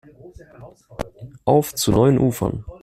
Auf zu neuen Ufern!